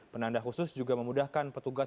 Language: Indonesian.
penanda khusus juga memudahkan petugas